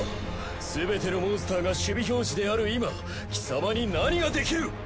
すべてのモンスターが守備表示である今貴様に何ができる！